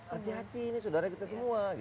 hati hati ini saudara kita semua